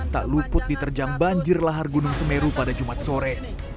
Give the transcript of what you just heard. tak luput diterjang banjir lahar gunung semeru pada jumat sore